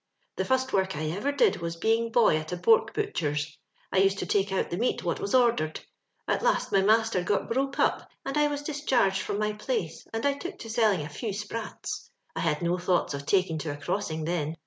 "The fust work I ever did was being boy at a pork butcher's. I used to take out the meat wot was ordered. At last my master got broke up, and I was discharged firom my place, and I took to sellin' a few sprats. I had no thoughts of taking to a crossing then.